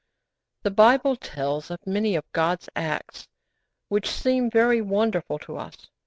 The Bible tells of many of God's acts which seem very wonderful to us.